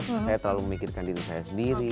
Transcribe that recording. saya terlalu memikirkan diri saya sendiri